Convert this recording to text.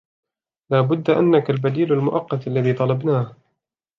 لا بد أنك البديل المؤقت الذي طلبناه.